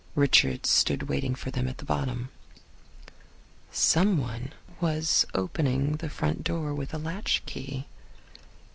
Richards stood waiting for them at the bottom. Someone was opening the front door with a latchkey.